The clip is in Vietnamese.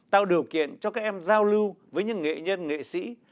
tạo điều kiện cho các em giao lưu với những nghệ nhân nghệ sĩ